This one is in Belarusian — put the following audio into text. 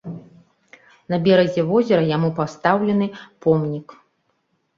На беразе возера яму пастаўлены помнік.